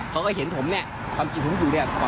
เขาก็เห็นผมความจิตผมอยู่ปลอดภัย